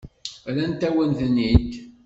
Rrant-awen-ten-id.